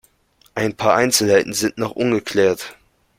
Ein paar Einzelheiten sind noch ungeklärt.